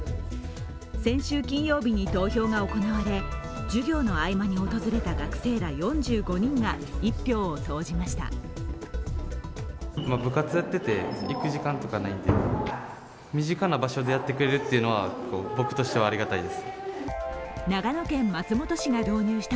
先週金曜日に投票が行われ授業の合間に訪れた学生ら４５人が一票を投じました。